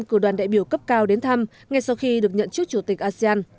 cử đoàn đại biểu cấp cao đến thăm ngay sau khi được nhận trước chủ tịch asean